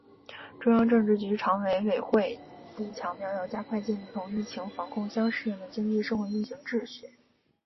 中央政治局常委会会议强调要加快建立同疫情防控相适应的经济社会运行秩序